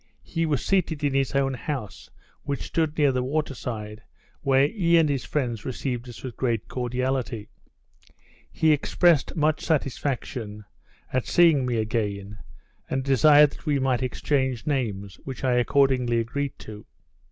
He was seated in his own house, which stood near the water side, where he and his friends received us with great cordiality. He expressed much satisfaction at seeing me again, and desired that we might exchange names, which I accordingly agreed to.